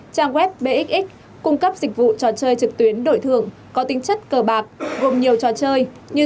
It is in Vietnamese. trang web bxx cung cấp dịch vụ trò chơi trực tuyến đổi thường có tính chất cờ bạc gồm nhiều trò chơi như